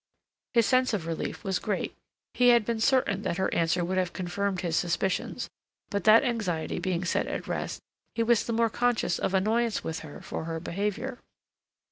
His sense of relief was great; he had been certain that her answer would have confirmed his suspicions, but that anxiety being set at rest, he was the more conscious of annoyance with her for her behavior.